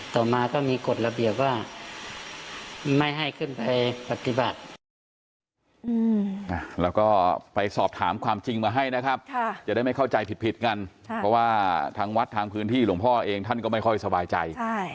ต่อมาก็มีกฎระเบียบว่าไม่ให้ขึ้นไปปฏิบัติ